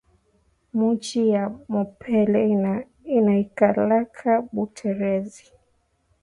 Muchi ya mapela inaikalaka buterezi